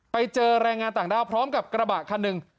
ไปเจอแรงงานต่างด้าวพร้อมกับกระบะคันหนึ่ง